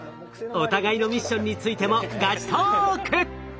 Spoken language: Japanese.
お互いのミッションについてもガチトーク！